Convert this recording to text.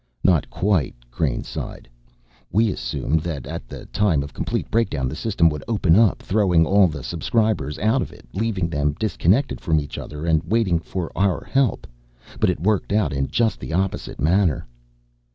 "Not quite," Crane sighed. "We assumed that at the time of complete breakdown the System would open up, throwing all the Subscribers out of it, leaving them disconnected from each other and waiting for our help. But it worked out in just the opposite manner!"